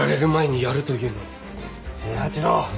平八郎。